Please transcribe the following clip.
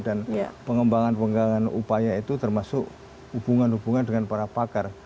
dan pengembangan pengembangan upaya itu termasuk hubungan hubungan dengan para pakar